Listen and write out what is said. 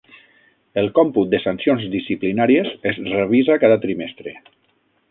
El còmput de sancions disciplinàries es revisa cada trimestre.